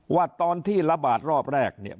ว่าตอนที่ระบาดรอบแรกเนี่ย